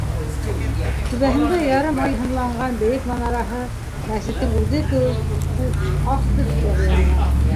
Түбәһендә ярым ай һынланған бейек манараһы мәсеттең үҙе кеүек үк аҡ төҫкә буялған.